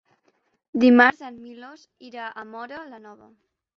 Dimarts en Milos irà a Móra la Nova.